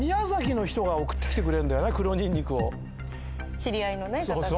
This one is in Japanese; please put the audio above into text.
知り合いの方が。